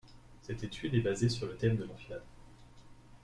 Cette étude est basée sur le thème de l'enfilade.